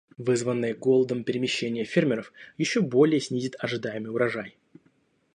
Вызванное голодом перемещение фермеров еще более снизит ожидаемый урожай.